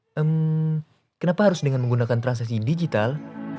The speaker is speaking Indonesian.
hmm kenapa harus dengan menggunakan transaksi digital